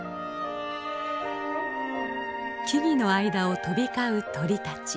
木々の間を飛び交う鳥たち。